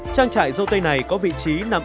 trang trại dâu tây này có vị trí nằm